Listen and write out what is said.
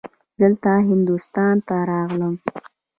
دلته هندوستان ته راغلم.